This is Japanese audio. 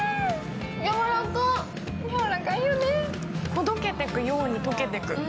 ほどけていくように溶けてく。